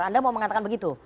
anda mau mengatakan begitu